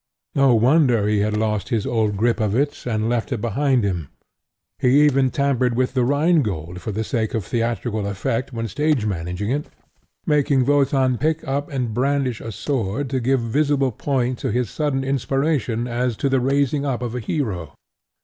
No wonder he had lost his old grip of it and left it behind him. He even tampered with The Rhine Gold for the sake of theatrical effect when stage managing it, making Wotan pick up and brandish a sword to give visible point to his sudden inspiration as to the raising up of a hero.